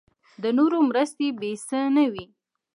د نورو مرستې بې څه نه وي.